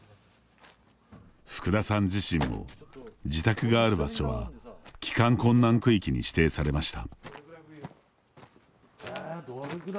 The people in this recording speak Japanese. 福田さん自身も自宅がある場所は帰還困難区域に指定されました。